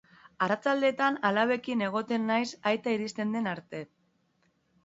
Arratsaldetan alabekin egoten naiz aita iristen den arte.